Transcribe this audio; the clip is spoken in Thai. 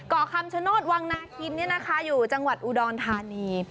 เกาะคำชโนธวังนาคินอยู่จังหวัดอุดรธานี